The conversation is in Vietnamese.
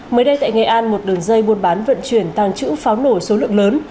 mới đây tại nghệ an một đường dây buôn bán vận chuyển tàng trữ pháo nổ số lượng lớn